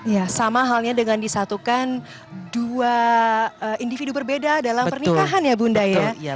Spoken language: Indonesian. ya sama halnya dengan disatukan dua individu berbeda dalam pernikahan ya bunda ya